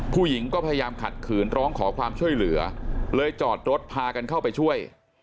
ผู้หญิงก็พยายามขัดขืนร้องขอความช่วยเหลือเลยจอดรถพากันเข้าไปช่วย